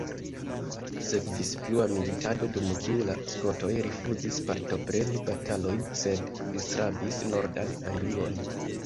Sekvis plua militado, dum kiu la skotoj rifuzis partopreni batalojn, sed disrabis nordan Anglion.